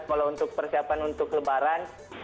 kalau untuk persiapan untuk lebaran